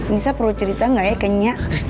nisa perlu cerita nggak ya kenya